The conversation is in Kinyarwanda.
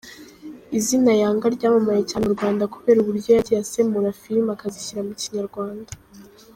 Izina Younger ryamamaye cyane mu Rwanda kubera uburyo yagiye asemura film akazishyira mu Kinyarwanda.